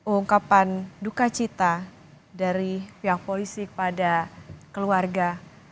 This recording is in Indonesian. ungkapan duka cita dari pihak polisi kepada keluarga